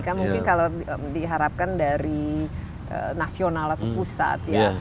kan mungkin kalau diharapkan dari nasional atau pusat ya